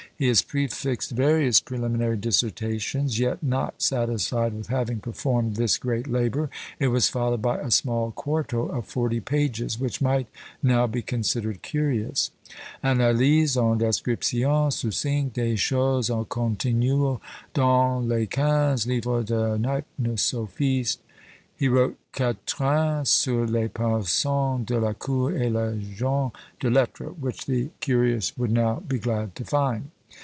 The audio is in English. He has prefixed various preliminary dissertations; yet, not satisfied with having performed this great labour, it was followed by a small quarto of forty pages, which might now be considered curious; "Analyse, en Déscription succincte des Choses conténues dans les quinzes Livres de Deipnosophistes." He wrote, "Quatrains sur les Personnes de la Cour et les Gens de Lettres," which the curious would now be glad to find.